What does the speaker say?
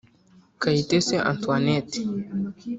Kayitesi Antoinette